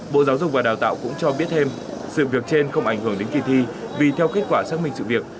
bộ giáo dục và đào tạo cũng cho biết thêm sự việc trên không ảnh hưởng đến kỳ thi vì theo kết quả xác minh sự việc